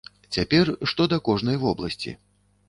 Цяпер што да кожнай вобласці.